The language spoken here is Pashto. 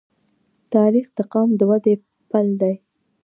تاریخ د قوم د ودې پل دی.